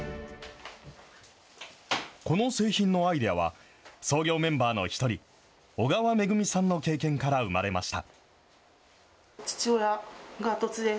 この製品のアイデアは、創業メンバーの一人、小川恵さんの経験から生まれました。